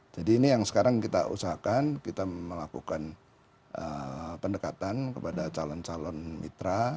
jadi ini yang sekarang kita usahakan kita melakukan pendekatan kepada calon calon mitra